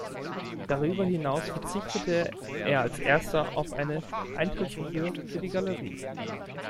Darüber hinaus verzichtete er als Erster auf eine Eintrittsgebühr für die Galerie.